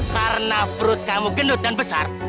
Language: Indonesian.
karena perut kamu gendut dan besar